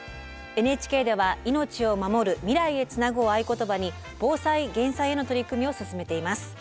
ＮＨＫでは「命をまもる未来へつなぐ」を合言葉に防災減災への取り組みを進めています。